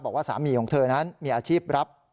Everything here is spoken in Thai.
บอกว่าสามีของเธอนั้นมีอาชีพรับ